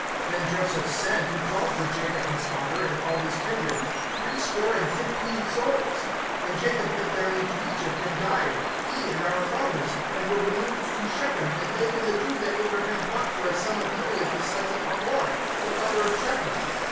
(14)Then Joseph sent, and called for Jacob his father, and all his kindred, threescore and fifteen souls. (15)And Jacob went down into Egypt, and died, he and our fathers, (16)and were removed to Shechem, and laid in the tomb that Abraham bought for a sum of money of the sons of Hamor, the father of Shechem.